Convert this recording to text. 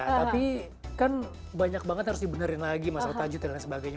tapi kan banyak banget harus dibenerin lagi masalah tajud dan lain sebagainya